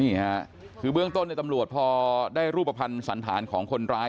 นี่ค่ะคือเบื้องต้นในตำรวจพอได้รูปภัณฑ์สันธารของคนร้าย